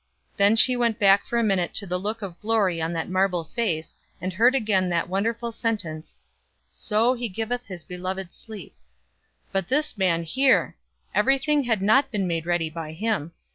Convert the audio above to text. Then she went back for a minute to the look of glory on that marble face, and heard again that wonderful sentence: "So he giveth his beloved sleep." But this man here! every thing had not been made ready by him.